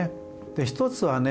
一つはね